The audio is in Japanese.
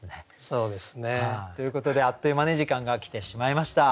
そうですね。ということであっという間に時間が来てしまいました。